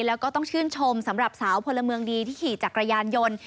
แล้วก็ต้องชื่นชมสำหรับสาวพลเมืองดีที่ขี่จักรยานยนต์